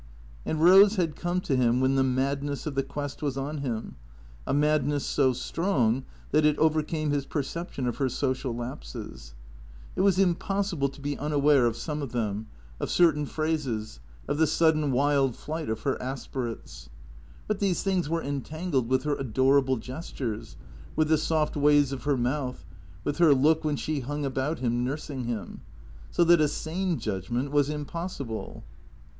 And Eose had come to him when the madness of the quest was on him, a madness so strong that it overcame his perception of her social lapses. It was impossible to be unaware of some THECREATOKS 49 of thera, of certain phrases, of the sudden wild flight of her aspirates. But these things were entangled with her adorable gestures, with the soft ways of her mouth, with her look when she hung about him, nursing him ; so that a sane judgment was impossible.